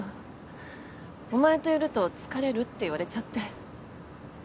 「お前といると疲れる」って言われちゃって。